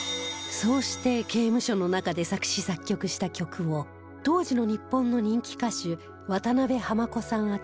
そうして、刑務所の中で作詞作曲した曲を当時の日本の人気歌手渡辺はま子さん